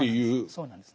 そうなんです。